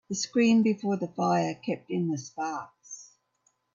The screen before the fire kept in the sparks.